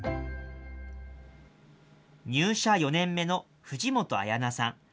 入社４年目の藤本彩菜さん。